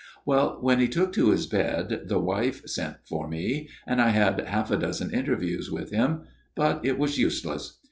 " Well, when he took to his bed, the wife sent for me ; and I had half a dozen interviews with him ; but it was useless.